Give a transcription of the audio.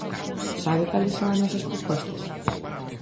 ¿Sabe cales son as nosas propostas?